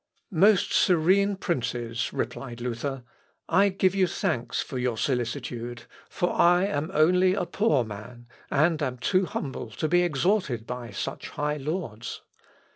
"Most Serene Princes!" replied Luther, "I give you thanks for your solicitude, for I am only a poor man, and am too humble to be exhorted by such high lords."